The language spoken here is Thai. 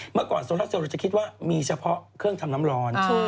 เมื่อก่อนโซล่าเซลลเราจะคิดว่ามีเฉพาะเครื่องทำน้ำร้อน